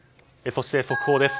そして速報です。